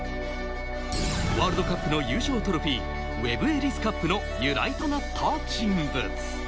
ワールドカップの優勝トロフィー、ウェブ・エリス・カップの由来となった人物。